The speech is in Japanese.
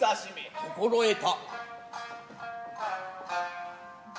心得た。